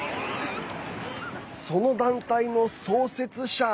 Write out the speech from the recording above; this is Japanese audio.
その団体の創設者